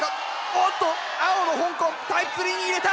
おっと青の香港タイプ３に入れた！